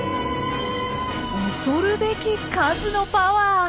恐るべき数のパワー。